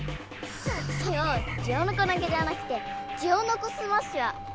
ソヨ「ジオノコ投げ」じゃなくて「ジオノコスマッシュ」はどう？